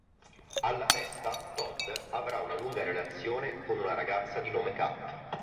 Alla festa Todd avrà una lunga relazione con una ragazza di nome Kat.